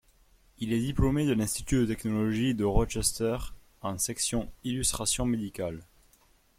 Il est diplômé de l'Institut de technologie de Rochester en section illustration médicale.